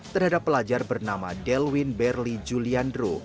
terhadap pelajar bernama delwin berli juliandro